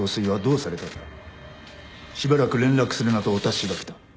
しばらく連絡するなとお達しが来た。